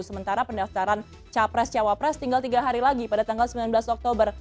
sementara pendaftaran capres cawapres tinggal tiga hari lagi pada tanggal sembilan belas oktober